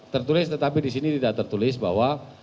tertulis tetapi disini tidak tertulis bahwa